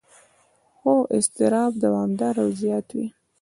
خو اضطراب دوامداره او زیات وي.